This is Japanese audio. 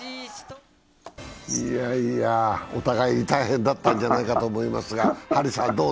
いやいや、お互いに大変だったんじゃないかと思いますが。